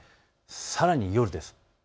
さらに夜です。